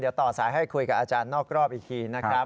เดี๋ยวต่อสายให้คุยกับอาจารย์นอกรอบอีกทีนะครับ